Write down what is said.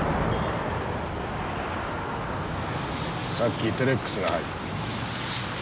さっきテレックスが入った。